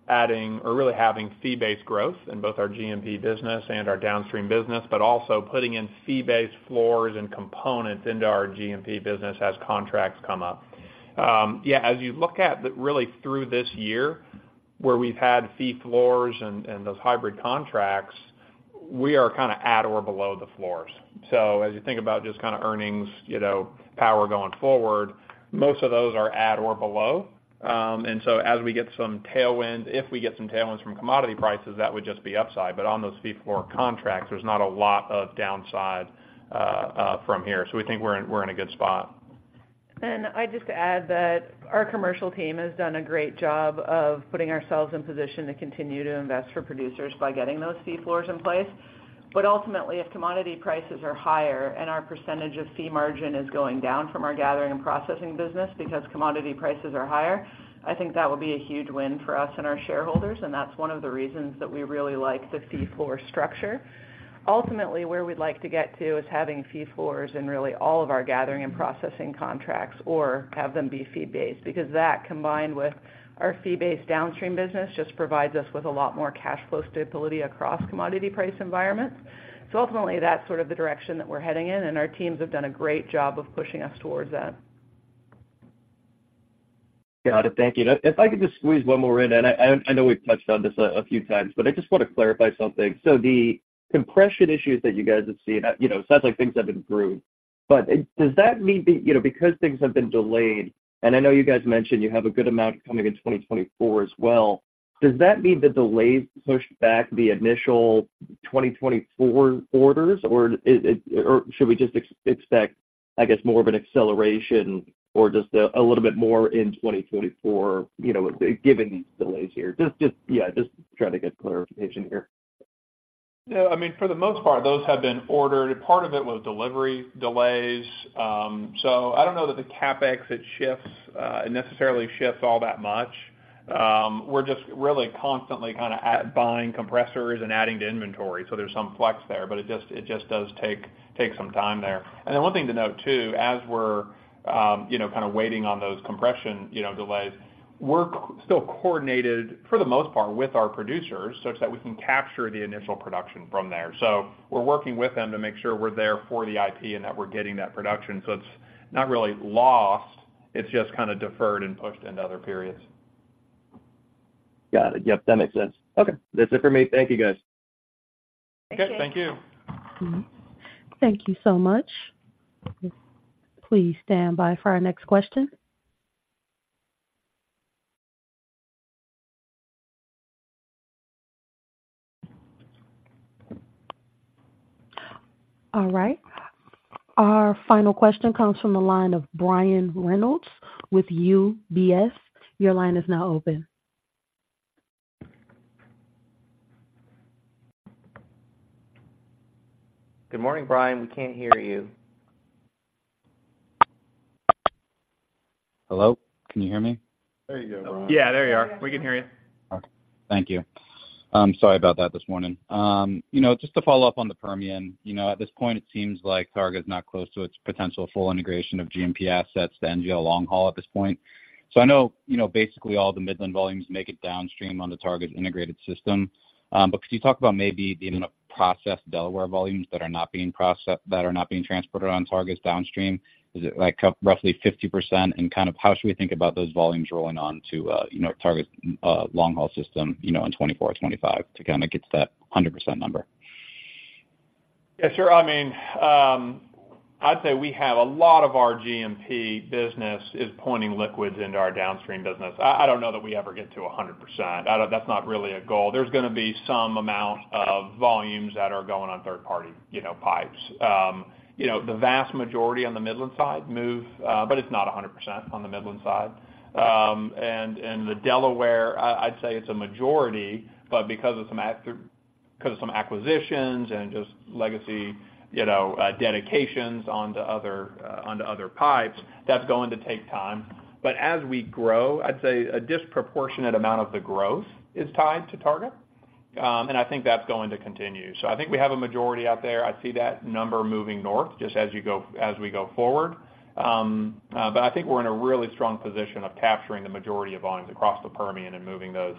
adding or really having fee-based growth in both our G&P business and our downstream business, but also putting in fee-based floors and components into our G&P business as contracts come up. Yeah, as you look at the really through this year, where we've had fee floors and, and those hybrid contracts, we are kind of at or below the floors. So as you think about just kind of earnings, you know, power going forward, most of those are at or below. And so as we get some tailwinds, if we get some tailwinds from commodity prices, that would just be upside. But on those fee floor contracts, there's not a lot of downside from here. We think we're in a good spot. I'd just add that our commercial team has done a great job of putting ourselves in position to continue to invest for producers by getting those fee floors in place. But ultimately, if commodity prices are higher and our percentage of fee margin is going down from our gathering and processing business because commodity prices are higher, I think that will be a huge win for us and our shareholders, and that's one of the reasons that we really like the fee floor structure. Ultimately, where we'd like to get to is having fee floors in really all of our gathering and processing contracts, or have them be fee-based, because that, combined with our fee-based downstream business, just provides us with a lot more cash flow stability across commodity price environments. Ultimately, that's sort of the direction that we're heading in, and our teams have done a great job of pushing us towards that. Got it. Thank you. If I could just squeeze one more in, and I know we've touched on this a few times, but I just want to clarify something. So the compression issues that you guys have seen, you know, it sounds like things have improved, but does that mean that, you know, because things have been delayed, and I know you guys mentioned you have a good amount coming in 2024 as well, does that mean the delays pushed back the initial 2024 orders, or is it or should we just expect, I guess, more of an acceleration or just a little bit more in 2024, you know, given these delays here? Just, yeah, just trying to get clarification here. No, I mean, for the most part, those have been ordered. Part of it was delivery delays. So I don't know that the CapEx shifts. It necessarily shifts all that much. We're just really constantly kind of buying compressors and adding to inventory, so there's some flex there, but it just does take some time there. And then one thing to note, too, as we're, you know, kind of waiting on those compression, you know, delays, we're still coordinated, for the most part, with our producers such that we can capture the initial production from there. So we're working with them to make sure we're there for the IP and that we're getting that production. So it's not really lost, it's just kind of deferred and pushed into other periods. Got it. Yep, that makes sense. Okay, that's it for me. Thank you, guys. Okay. Thank you. Thank you so much. Please stand by for our next question. All right. Our final question comes from the line of Brian Reynolds with UBS. Your line is now open. Good morning, Brian. We can't hear you. Hello? Can you hear me? There you go, Brian. Yeah, there you are. We can hear you. Okay. Thank you. Sorry about that this morning. You know, just to follow up on the Permian, you know, at this point, it seems like Targa is not close to its potential full integration of G&P assets to NGL long haul at this point. So I know, you know, basically all the Midland volumes make it downstream on the Targa integrated system. But could you talk about maybe the amount of processed Delaware volumes that are not being transported on Targa's downstream? Is it, like, roughly 50%? And kind of how should we think about those volumes rolling on to, you know, Targa's long-haul system, you know, in 2024, 2025, to kind of get to that 100% number? Yeah, sure. I mean, I'd say we have a lot of our G&P business is pointing liquids into our downstream business. I don't know that we ever get to 100%. I don't. That's not really a goal. There's gonna be some amount of volumes that are going on third-party, you know, pipes. You know, the vast majority on the Midland side move, but it's not 100% on the Midland side. And the Delaware, I'd say it's a majority, but because of some acquisitions and just legacy, you know, dedications onto other pipes, that's going to take time. But as we grow, I'd say a disproportionate amount of the growth is tied to Targa, and I think that's going to continue. So I think we have a majority out there. I see that number moving north as we go forward. But I think we're in a really strong position of capturing the majority of volumes across the Permian and moving those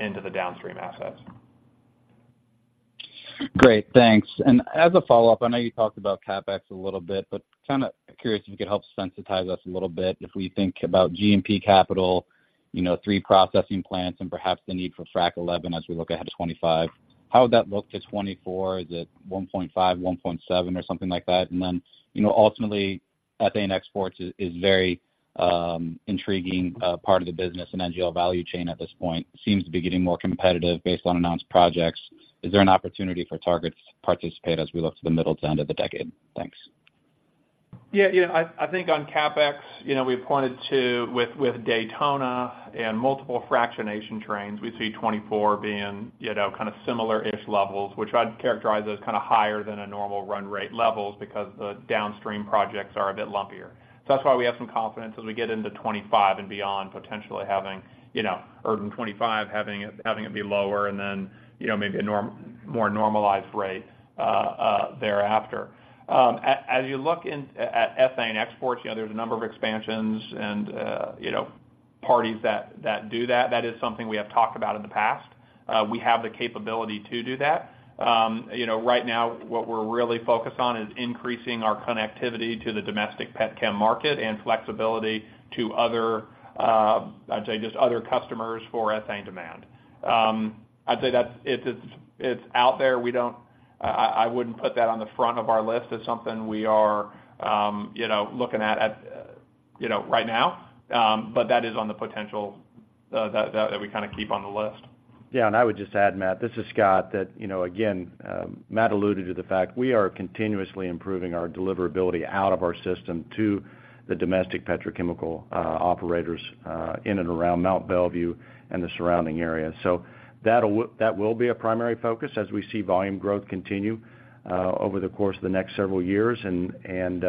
into the downstream assets. Great, thanks. And as a follow-up, I know you talked about CapEx a little bit, but kind of curious if you could help sensitize us a little bit. If we think about G&P capital, you know, three processing plants and perhaps the need for Frac 11 as we look ahead to 2025, how would that look to 2024? Is it $1.5, $1.7, or something like that? And then, you know, ultimately, ethane exports is very intriguing part of the business and NGL value chain at this point. Seems to be getting more competitive based on announced projects. Is there an opportunity for Targa to participate as we look to the middle to end of the decade? Thanks. Yeah, you know, I think on CapEx, you know, we pointed to, with Daytona and multiple fractionation trains, we see 2024 being, you know, kind of similar-ish levels, which I'd characterize as kind of higher than a normal run rate levels because the downstream projects are a bit lumpier. So that's why we have some confidence as we get into 2025 and beyond, potentially having, you know, or in 2025, having it be lower and then, you know, maybe a more normalized rate thereafter. As you look at ethane exports, you know, there's a number of expansions and, you know, parties that do that. That is something we have talked about in the past. We have the capability to do that. You know, right now, what we're really focused on is increasing our connectivity to the domestic petchem market and flexibility to other, I'd say, just other customers for ethane demand. I'd say that's, it's out there. I wouldn't put that on the front of our list as something we are, you know, looking at, you know, right now. But that is on the potential, that we kind of keep on the list. Yeah, and I would just add, Matt, this is Scott, that, you know, again, Matt alluded to the fact we are continuously improving our deliverability out of our system to the domestic petrochemical operators in and around Mont Belvieu and the surrounding area. So that'll, that will be a primary focus as we see volume growth continue over the course of the next several years. And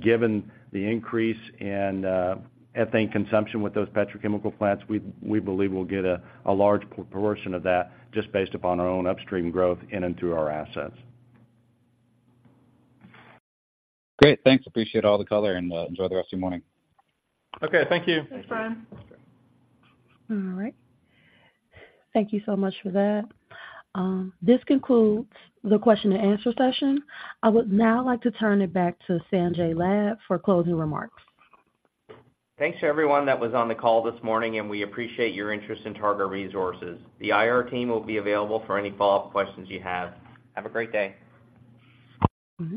given the increase in ethane consumption with those petrochemical plants, we believe we'll get a large proportion of that just based upon our own upstream growth in and through our assets. Great, thanks. Appreciate all the color, and enjoy the rest of your morning. Okay, thank you. Thanks, Brian. All right. Thank you so much for that. This concludes the question and answer session. I would now like to turn it back to Sanjay Lad for closing remarks. Thanks to everyone that was on the call this morning, and we appreciate your interest in Targa Resources. The IR team will be available for any follow-up questions you have. Have a great day. Mm-hmm.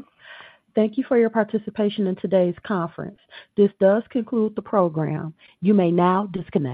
Thank you for your participation in today's conference. This does conclude the program. You may now disconnect.